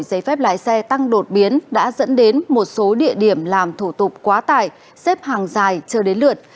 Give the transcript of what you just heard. cấp đổi giấy phép lái xe tăng đột biến đã dẫn đến một số địa điểm làm thủ tục quá tải xếp hàng dài chờ đến lượt